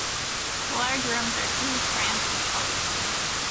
The large rooms are too cramped and close.